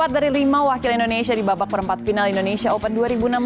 empat dari lima wakil indonesia di babak perempat final indonesia open dua ribu enam belas